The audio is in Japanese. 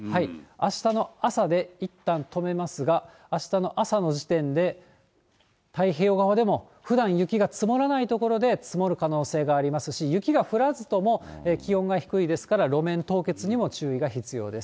あしたの朝でいったん止めますが、あしたの朝の時点で、太平洋側でも、ふだん雪が積もらない所で積もる可能性がありますし、雪が降らずとも、気温が低いですから、路面凍結にも注意が必要です。